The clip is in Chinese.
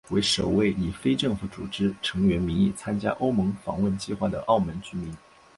为首位以非政府组织成员名义参加欧盟访问计划的澳门居民。